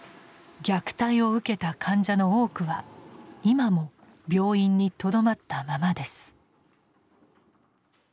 虐待を受けた患者の多くは今も病院にとどまったままです。